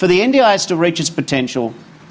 untuk dana asuransi mencapai kemungkinan